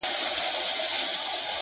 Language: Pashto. د مسجدي او د اکبر مېنه ده٫